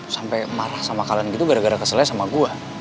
sampai marah sama kalian gitu gara gara keselnya sama gue